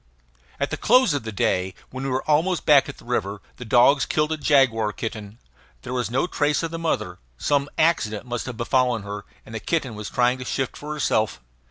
At the close of the day, when we were almost back at the river, the dogs killed a jaguar kitten. There was no trace of the mother. Some accident must have befallen her, and the kitten was trying to shift for herself.